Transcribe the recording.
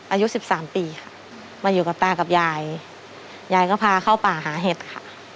อายุสิบสามปีค่ะมาอยู่กับตากับยายยายก็พาเข้าป่าหาเห็ดค่ะ